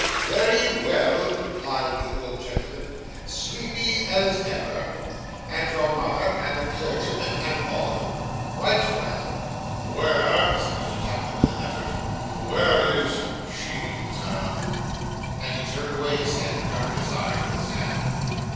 'Very well,' replied the old gentleman. 'Sleepy as ever.' 'And your mother, and the clergyman, and all of 'em?' 'Quite well.' 'Where,' said Mr. Tupman, with an effort 'where is she, Sir?' and he turned away his head, and covered his eyes with his hand.